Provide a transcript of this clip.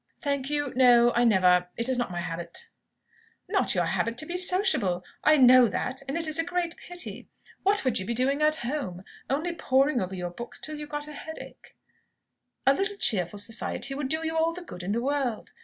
"Thank you, no; I never it is not my habit " "Not your habit to be sociable! I know that; and it is a great pity. What would you be doing at home? Only poring over books until you got a headache! A little cheerful society would do you all the good in the world.